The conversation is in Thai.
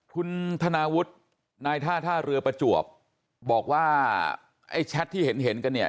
คุณธนาวุฒินายท่าท่าเรือประจวบบอกว่าไอ้แชทที่เห็นเห็นกันเนี่ย